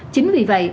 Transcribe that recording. chính vì vậy